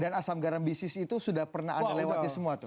dan asam garam bisnis itu sudah pernah ada lewatnya semua tuh